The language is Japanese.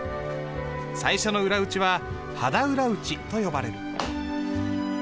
最初の裏打ちは肌裏打ちと呼ばれる。